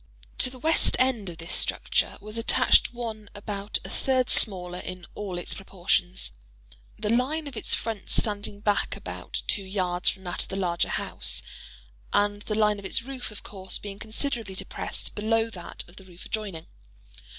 To the west end of this structure was attached one about a third smaller in all its proportions:—the line of its front standing back about two yards from that of the larger house, and the line of its roof, of course, being considerably depressed below that of the roof adjoining.